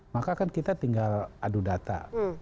maka kan kita tinggal adu data